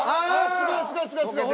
すごいすごいすごいすごい。